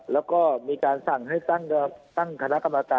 แล้วก็มีการสั่งให้ตั้งครนาคตะ